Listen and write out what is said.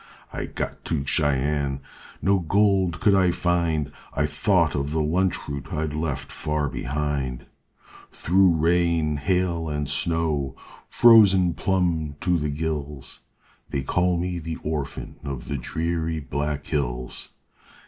I got to Cheyenne, no gold could I find, I thought of the lunch route I'd left far behind; Through rain, hail, and snow, frozen plumb to the gills, They call me the orphan of the dreary Black Hills.